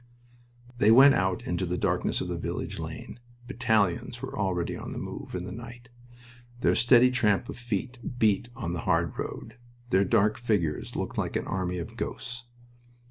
They went out into the darkness of the village lane. Battalions were already on the move, in the night. Their steady tramp of feet beat on the hard road. Their dark figures looked like an army of ghosts.